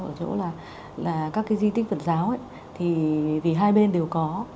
ở chỗ là các cái di tích phật giáo thì hai bên đều có